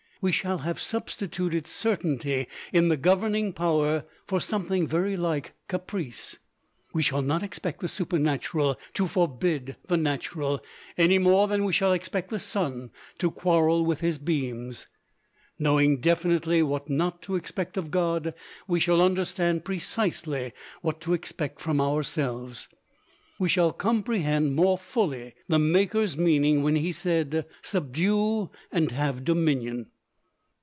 We shall have substituted certainty in the governing power for something very like caprice. We shall not expect the Supernatural to forbid the Natural, any more than we shall expect the sun to quarrel with his beams. Knowing definitely what not to expect of God, we shall understand precisely what to expect from ourselves. We shall comprehend more fully the Maker's meaning when He said, "Subdue and have dominion."